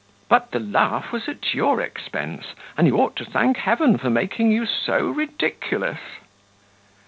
But the laugh was at your expense; and you ought to thank Heaven for making you so ridiculous."